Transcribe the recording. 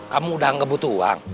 kamu udah gak butuh uang